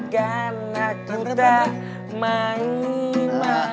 karena aku tak main main